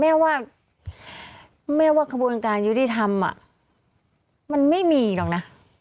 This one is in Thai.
แม่ว่าแม่ว่าขบวนการยุติธรรมมันไม่มีหรอกนะ